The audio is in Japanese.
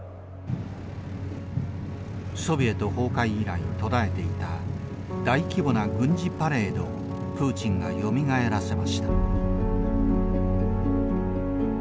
ソビエト崩壊以来途絶えていた大規模な軍事パレードをプーチンがよみがえらせました。